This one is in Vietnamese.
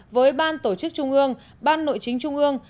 với ban tổ chức trung ương ban nội chính trung ương